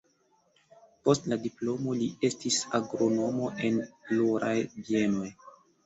Post la diplomo li estis agronomo en pluraj bienoj.